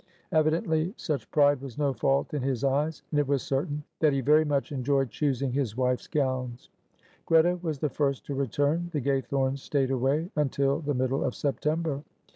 Evidently such pride was no fault in his eyes, and it was certain that he very much enjoyed choosing his wife's gowns. Greta was the first to return. The Gaythornes stayed away until the middle of September.